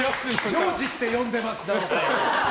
ジョージって呼んでます奈緒さん。